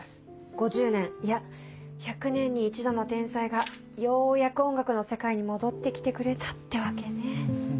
５０年いや１００年に一度の天才がようやく音楽の世界に戻ってきてくれたってわけね。